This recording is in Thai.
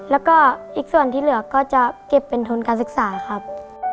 แล้วก็อีกส่วนที่เหลือก็จะเก็บเป็นทุนการศึกษาครับ